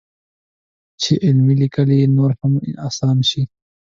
چې عملي لیکل یې نور هم اسان شي.